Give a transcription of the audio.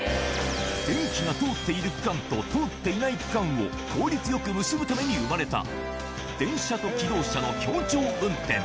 電気が通っている区間と通っていない区間を効率よく結ぶために生まれた、電車と気動車の協調運転。